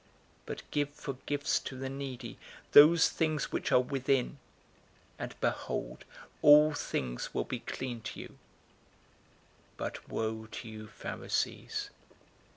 011:041 But give for gifts to the needy those things which are within, and behold, all things will be clean to you. 011:042 But woe to you Pharisees!